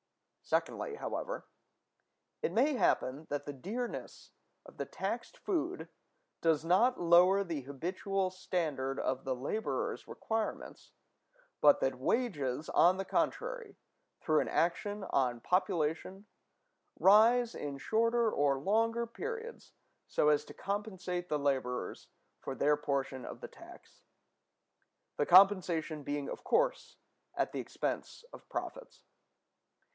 Secondly, however, it may happen that the dearness of the taxed food does not lower the habitual standard of the laborer's requirements, but that wages, on the contrary, through an action on population, rise, in shorter or longer periods, so as to compensate the laborers for their portion of the tax, the compensation being of course at the expense of profits.